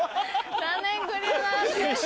残念クリアならずです。